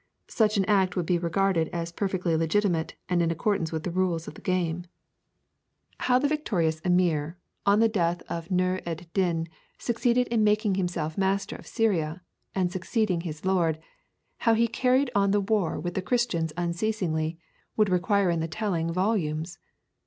Such an act would be regarded as perfectly legitimate and in accordance with the rules of the game. [Illustration: Saladin.] How the victorious emir, on the death of Nûr ed Din, succeeded in making himself master of Syria and succeeding his lord; how he carried on the war with the Christians unceasingly, would require in the telling volumes.